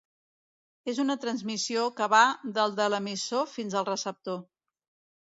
És una transmissió que va del de l'emissor fins al receptor.